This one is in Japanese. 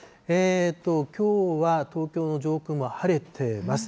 きょうは東京の上空も晴れてます。